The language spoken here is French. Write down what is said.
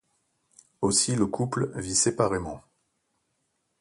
Aussi le couple vit séparément.